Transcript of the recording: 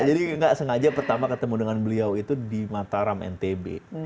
jadi nggak sengaja pertama ketemu dengan beliau itu di mataram ntb